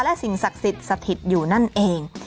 และสิ่งศักดิ์สถิตย์อยู่นั่นเอง